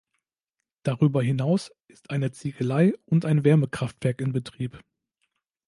Darüber hinaus ist eine Ziegelei und ein Wärmekraftwerk in Betrieb.